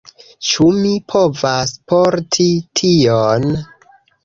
Ĉu mi povas porti tion?